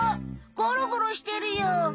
ゴロゴロしてるよ。